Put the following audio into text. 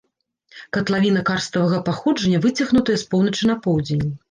Катлавіна карставага паходжання выцягнутая з поўначы на поўдзень.